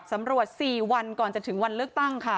สำรวจ๔วันก่อนจะถึงวันเลือกตั้งค่ะ